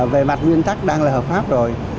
về mặt nguyên tắc đang là hợp pháp rồi